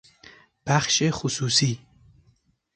بخش خصوصی